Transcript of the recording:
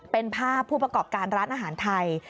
เป็นภาพผู้ประกอบการร้านอาหารไทย